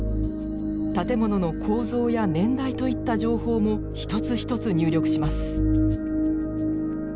建物の構造や年代といった情報も一つ一つ入力します。